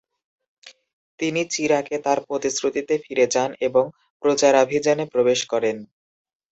তিনি চিরাকে তার প্রতিশ্রুতিতে ফিরে যান এবং প্রচারাভিযানে প্রবেশ করেন।